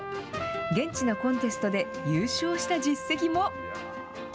現地のコンテストで優勝した実績も。